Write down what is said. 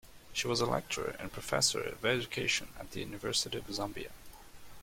She was a lecturer and professor of education at the University of Zambia.